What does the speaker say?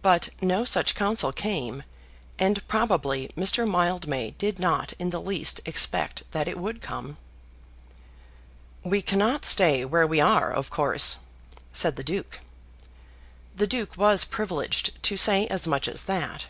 But no such counsel came, and probably Mr. Mildmay did not in the least expect that it would come. "We cannot stay where we are, of course," said the Duke. The Duke was privileged to say as much as that.